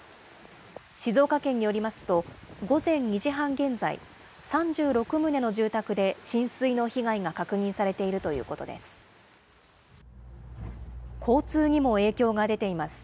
静岡県によりますと、午前２時半現在、３６棟の住宅で浸水の被害が確認されているということです。